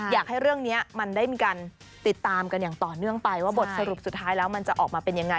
อยากให้เรื่องนี้มันได้มีการติดตามกันอย่างต่อเนื่องไปว่าบทสรุปสุดท้ายแล้วมันจะออกมาเป็นยังไง